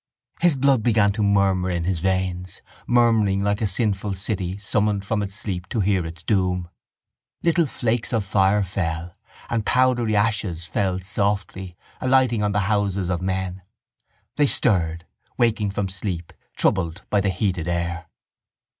His blood began to murmur in his veins, murmuring like a sinful city summoned from its sleep to hear its doom. Little flakes of fire fell and powdery ashes fell softly, alighting on the houses of men. They stirred, waking from sleep, troubled by the heated air.